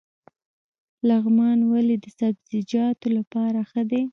لغمان ولې د سبزیجاتو لپاره ښه دی؟